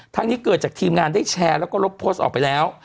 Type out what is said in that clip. นี้เกิดจากทีมงานได้แชร์แล้วก็ลบโพสต์ออกไปแล้ว